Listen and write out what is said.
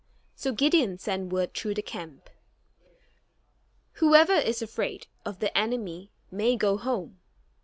So Gideon sent word through the camp: "Whoever is afraid of the enemy may go home."